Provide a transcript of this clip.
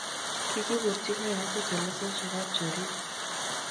kikibokchi kaayoto chelasosie ab choriik